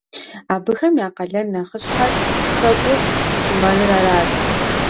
Абыхэм я къалэн нэхъыщхьэр хэкӀур хъумэныр арат.